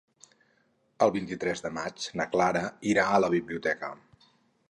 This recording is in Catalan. El vint-i-tres de maig na Clara irà a la biblioteca.